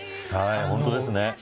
本当ですね。